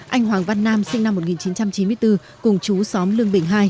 anh hoàng văn nam sinh năm một nghìn chín trăm chín mươi bốn cùng chú xóm lương bình hai